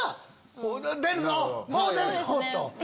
もう出るぞ！と。